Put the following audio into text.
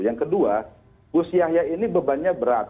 yang kedua gus yahya ini bebannya berat